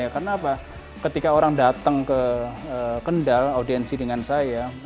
karena ketika orang datang ke kendal audiensi dengan saya